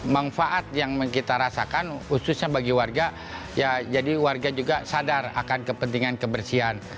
manfaat yang kita rasakan khususnya bagi warga ya jadi warga juga sadar akan kepentingan kebersihan